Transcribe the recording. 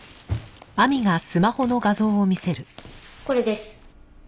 これです。